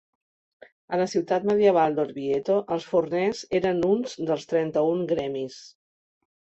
A la ciutat medieval d'Orvieto, els forners eren uns dels trenta-un gremis.